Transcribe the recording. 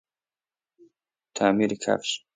تعمیر کفش